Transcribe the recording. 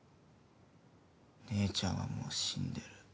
姉ちゃんはもう死んでる。